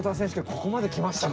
ここまできましたか。